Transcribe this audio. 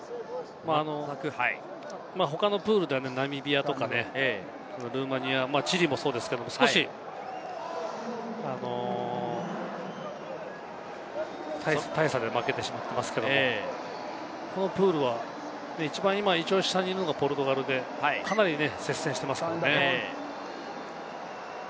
他のプールではナミビアとか、ルーマニア、チリもそうですけれども少し大差で負けていますけどこのプールは一番今下にいるのがポルトガルでかなり接戦ていますよね。